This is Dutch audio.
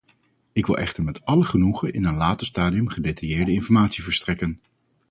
Ik wil echter met alle genoegen in een later stadium gedetailleerdere informatie verstrekken.